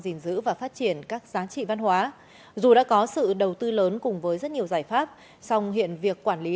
giá trị văn hóa dù đã có sự đầu tư lớn cùng với rất nhiều giải pháp song hiện việc quản lý